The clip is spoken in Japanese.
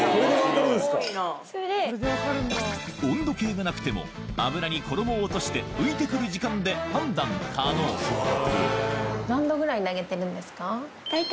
温度計がなくても油に衣を落として浮いてくる時間で判断可能大体。